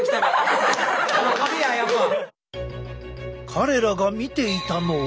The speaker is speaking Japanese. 彼らが見ていたのは。